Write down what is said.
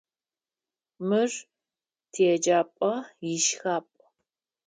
Мыр тиеджапӏэ ишхапӏ.